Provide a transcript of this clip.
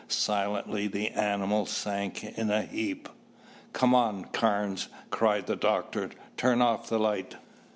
Silently the animal sank in a heap. "Come on, Carnes," cried the doctor. "Turn off the light."